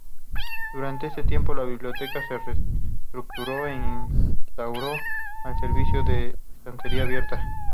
Durante este tiempo, la biblioteca se reestructuró e instauró el servicio de estantería abierta.